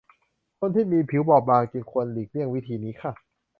คนที่มีผิวบอบบางจึงควรหลีกเลี่ยงวิธีนี้ค่ะ